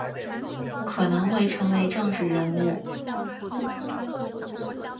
可能会成为政治人物